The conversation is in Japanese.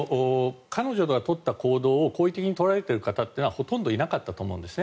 彼女が取った行動を好意的に取られている方はほとんどいなかったと思うんです。